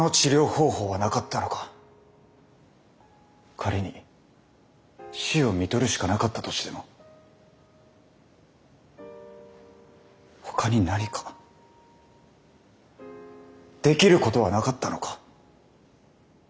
仮に死をみとるしかなかったとしてもほかに何かできることはなかったのか。